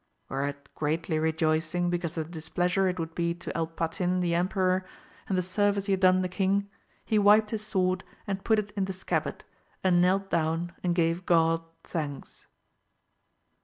Whereat greatly rejoicing because of the displeasure it would be to El Patin the emperor, and the service he had done the king, he wiped his sword and put it in the scabbard, and knelt down and gave God thanks.